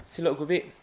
xin lỗi quý vị